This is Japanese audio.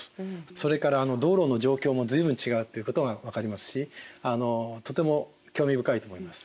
それから道路の状況も随分違うということが分かりますしとても興味深いと思います。